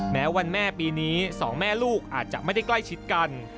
แม้วันแม่ปีนี้สองแม่ลูกอาจจะไม่ได้ใกล้ชิดกัน